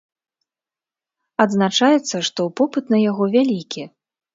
Адзначаецца, што попыт на яго вялікі.